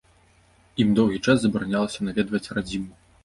Ім доўгі час забаранялася наведваць радзіму.